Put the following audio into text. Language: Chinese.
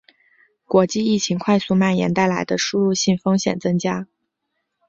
国际疫情快速蔓延带来的输入性风险增加